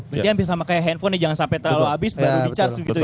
jadi yang bisa pakai handphone nih jangan sampai terlalu abis baru di charge gitu ya